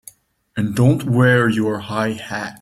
And don't wear your high hat!